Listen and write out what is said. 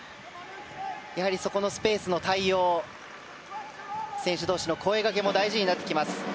やはり、そこのスペースの対応選手同士の声がけも大事になってきます。